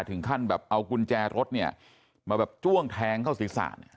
ถึงขั้นแบบเอากุญแจรถเนี่ยมาแบบจ้วงแทงเข้าศีรษะเนี่ย